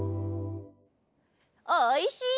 おいしいね。